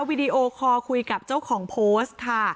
วิดีโอคอร์คุยกับเจ้าของโพสต์ค่ะ